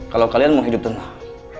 kalau kalian mau hidup tenang